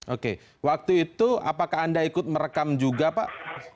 oke waktu itu apakah anda ikut merekam juga pak